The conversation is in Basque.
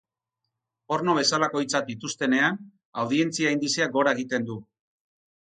Porno bezalako hitzak dituztenean, audientzia indizeak gora egiten du.